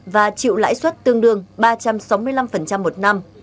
và chịu lãi suất tương đương ba trăm sáu mươi năm một năm